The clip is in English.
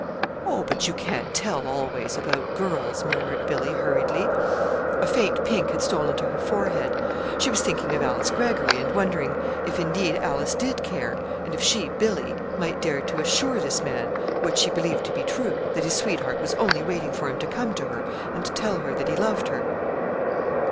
"Oh, but you can't tell, always, about girls," murmured Billy, hurriedly. A faint pink had stolen to her forehead. She was thinking of Alice Greggory, and wondering if, indeed, Alice did care; and if she, Billy, might dare to assure this man what she believed to be true that his sweetheart was only waiting for him to come to her and tell her that he loved her.